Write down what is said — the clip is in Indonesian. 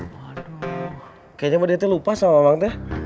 kayaknya mbak jajah lupa sama mang jajah